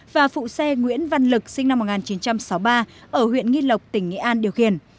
và phụ xe nguyễn văn lực sinh năm một nghìn chín trăm sáu mươi ba ở huyện nghi lộc tỉnh nghệ an điều khiển